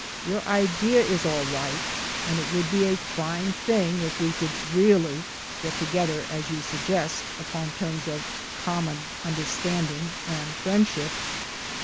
Your idea is all right, and it would be a fine thing if we could really get together as you suggest upon terms of common understanding and friendship."